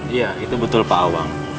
iya itu betul pawang